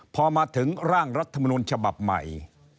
พอมาถึงร่างรัฐมนุนฉบับใหม่